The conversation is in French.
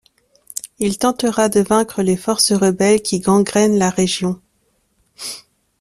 Il tentera de vaincre les forces rebelles qui gangrènent la région.